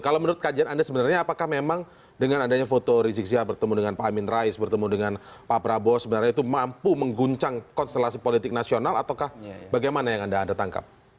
kalau menurut kajian anda sebenarnya apakah memang dengan adanya foto rizik sihab bertemu dengan pak amin rais bertemu dengan pak prabowo sebenarnya itu mampu mengguncang konstelasi politik nasional ataukah bagaimana yang anda tangkap